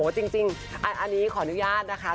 จริงอันนี้ขออนุญาตนะคะ